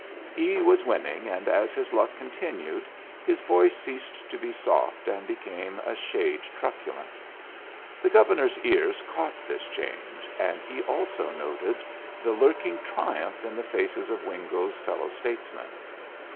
He was winning, and as his luck continued his voice ceased to be soft, and became a shade truculent. The Governor's ears caught this change, and he also noted the lurking triumph in the faces of Wingo's fellow statesmen.